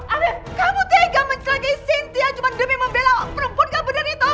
afif kamu tega mencelakai sintia cuma demi membela perempuan gak bener itu